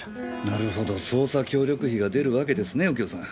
なるほど捜査協力費が出るわけですね右京さん。